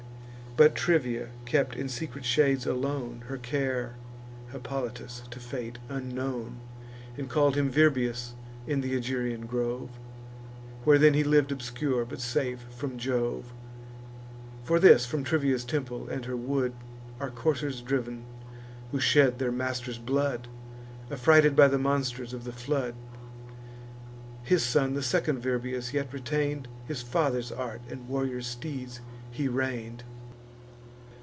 But Trivia kept in secret shades alone Her care, Hippolytus, to fate unknown; And call'd him Virbius in th' Egerian grove, Where then he liv'd obscure, but safe from Jove. For this, from Trivia's temple and her wood Are coursers driv'n, who shed their master's blood, Affrighted by the monsters of the flood. His son, the second Virbius, yet retain'd His father's art, and warrior steeds he rein'd.